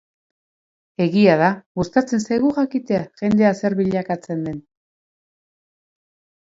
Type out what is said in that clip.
Egia da, gustatzen zaigu jakitea jendea zer bilakatzen den.